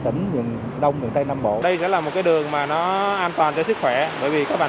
tỉnh miền đông miền tây nam bộ đây sẽ là một cái đường mà nó an toàn cho sức khỏe bởi vì các bạn